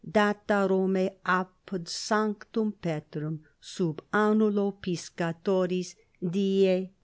Dat. Romse apud Sanctum Petrum sub annulo piscatoris, die XV.